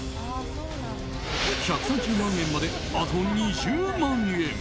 １３０万円まで、あと２０万円。